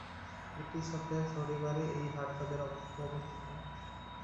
প্রতি সপ্তাহের শনিবারে এই হাট-বাজার অবস্থিত।